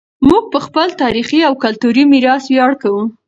موږ په خپل تاریخي او کلتوري میراث ویاړ کوو.